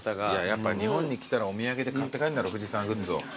やっぱ日本に来たらお土産で買って帰んだろ富士山グッズを。